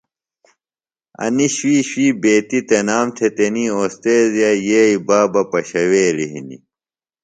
انیۡ شُوۡئی شُوۡئی بیتیۡ تنام تھےۡ تنیۡ اوستیذِئے یئیے بابہ پشَویلیۡ ہِنیۡ۔